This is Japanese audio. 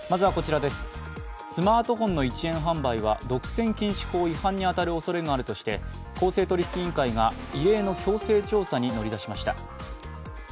スマートフォンの１円販売は独占禁止法違反に当たるおそれがあるとして公正取引委員会が異例の強制調査に乗り出しました。